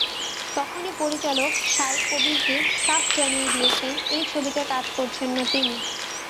তখনই পরিচালক সাই কবিরকে সাফ জানিয়ে দিয়েছেন—এই ছবিতে কাজ তিনি করছেন না।